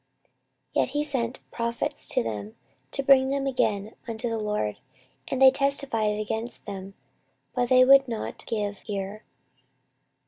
14:024:019 Yet he sent prophets to them, to bring them again unto the LORD; and they testified against them: but they would not give ear.